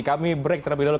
kami break terlebih dahulu